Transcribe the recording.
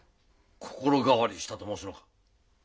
心変わりしたと申すのか。